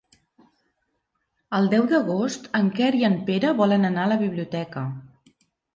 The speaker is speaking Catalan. El deu d'agost en Quer i en Pere volen anar a la biblioteca.